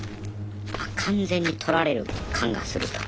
あ完全に取られる感がすると。